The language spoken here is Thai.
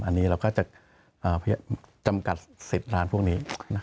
อันนี้เราก็จะจำกัด๑๐ล้านพวกนี้